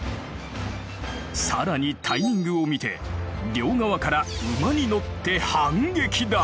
更にタイミングを見て両側から馬に乗って反撃だ！